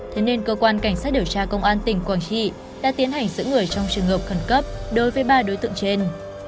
thế nên cơ quan cảnh sát điều tra công an tỉnh quảng trị đã tiến hành giữ người trong trường hợp khẩn cấp đối với ba đối tượng trên